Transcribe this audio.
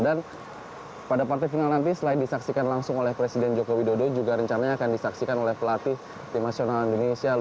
dan pada partai final nanti selain disaksikan langsung oleh presiden joko widodo juga rencananya akan disaksikan oleh pelatih timasional indonesia